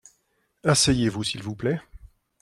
Asseyez-vous s’il vous plait.